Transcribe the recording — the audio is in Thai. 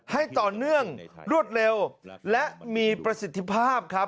ให้ต่อเนื่องรวดเร็วและมีประสิทธิภาพครับ